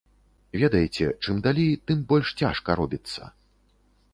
Ведаеце, чым далей, тым больш цяжка робіцца.